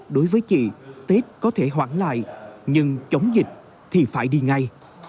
đối với chị tết có thể hoãn lại nhưng chống dịch thì phải đi ngay